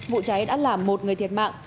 vụ cháy đã làm một người thiệt mạng